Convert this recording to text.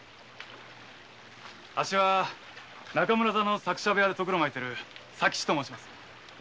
あっしは中村座の作者部屋でとぐろ巻いてる左吉と申します。